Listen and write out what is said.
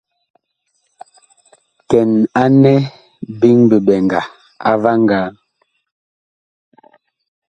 Kɛn anɛ biŋ biɓɛŋga a vaŋgaa.